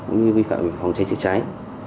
cũng như vi phạm về phòng cháy chế cháy